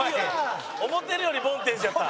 「思ってるよりボンテージやった」